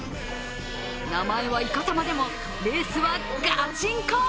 名前はイカサマでもレースはガチンコ。